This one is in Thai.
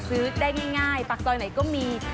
ซื้อได้ง่ายปากซอยไหนก็มี